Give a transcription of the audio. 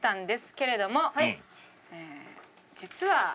実は。